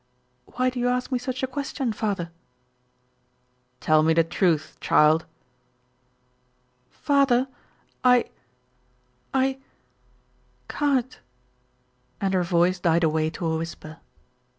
"Why do you ask me such a question, father?" "Tell me the truth, child." "Father! I I can't," and her voice died away to a whisper.